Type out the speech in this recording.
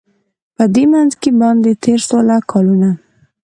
په دې منځ کي باندی تېر سوله کلونه